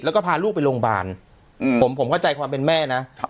แล้วก็พาลูกไปโรงพยาบาลอืมผมผมเข้าใจความเป็นแม่นะครับ